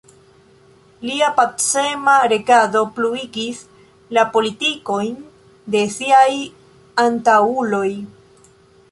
Lia pacema regado pluigis la politikojn de siaj antaŭuloj.